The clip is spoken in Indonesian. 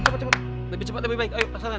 cepat cepat lebih cepat lebih baik ayo pasangan